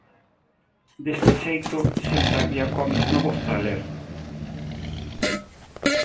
Deste xeito, sempre había cómics novos para ler.